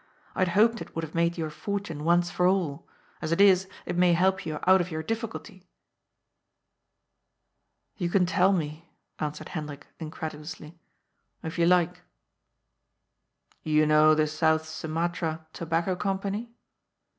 I had hoped it would have made your fortune once for all. As it is, it may help you out of your difficulty." " You can tell me," answered Hendrik incredulously, " if you like." " You know the South Sumatra Tobacco Company